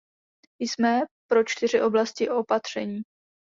Jsme pro čtyři oblasti opatření.